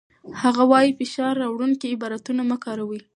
هغه وايي، فشار راوړونکي عبارتونه مه کاروئ.